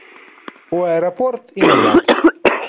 У аэрапорт і назад.